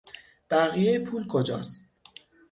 بقیهی پول کجاست؟